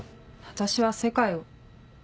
私は世界を。